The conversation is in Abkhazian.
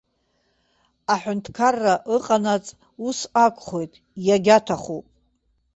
Аҳәынҭқарра ыҟанаҵ ус акәхоит, иагьаҭахуп.